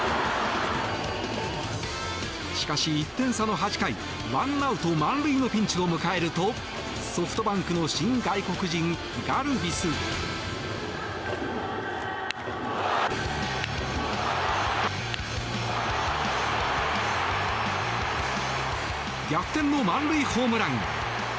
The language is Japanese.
しかし、１点差の８回１アウト満塁のピンチを迎えるとソフトバンクの新外国人ガルビス。逆転の満塁ホームラン。